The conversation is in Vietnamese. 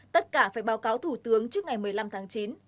tất cả phải báo cáo thủ tướng trước ngày một mươi năm tháng chín